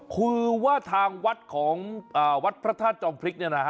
คือว่าทางวัดของวัดพระธาตุจอมพริกเนี่ยนะฮะ